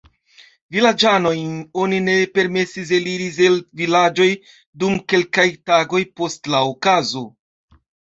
Vilaĝanojn oni ne permesis eliris el vilaĝoj dum kelkaj tagoj post la okazo.